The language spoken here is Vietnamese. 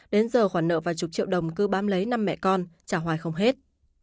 đến giờ khoản nợ vài chục triệu đồng cứ bám lấy năm mẹ con trả hoài không hết